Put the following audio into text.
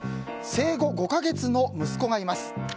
生後５か月の息子がいます。